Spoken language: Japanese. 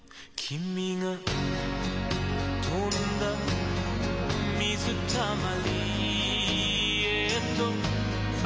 「君が跳んだ水たまりへと」